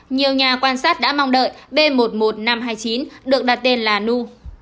nhiều nhà quan sát đã mong đợi b một mươi một nghìn năm trăm hai mươi chín được đặt tên là nu